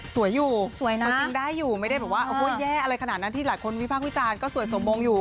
สวยอยู่สวยนะเอาจริงได้อยู่ไม่ได้แบบว่าโอ้โหแย่อะไรขนาดนั้นที่หลายคนวิพากษ์วิจารณ์ก็สวยสมมงอยู่